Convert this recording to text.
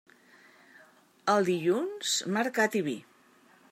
El dilluns, mercat i vi.